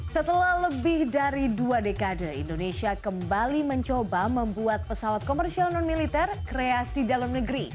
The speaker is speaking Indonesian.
setelah lebih dari dua dekade indonesia kembali mencoba membuat pesawat komersial non militer kreasi dalam negeri